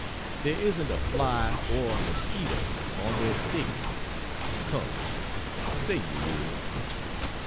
There isn't a fly or a mosquito on the estate. Come say you will.